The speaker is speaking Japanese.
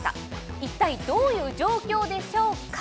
一体どういう状況でしょうか。